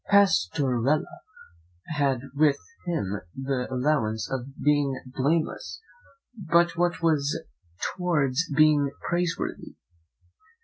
Pastorella had with him the allowance of being blameless; but what was that towards being praiseworthy?